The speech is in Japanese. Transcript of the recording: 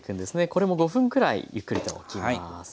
これも５分くらいゆっくりとおきます。